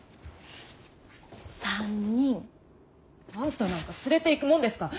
あんたなんか連れていくもんですか。